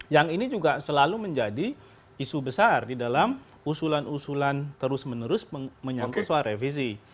yang ini juga selalu menjadi isu besar di dalam usulan usulan terus menerus menyangkut soal revisi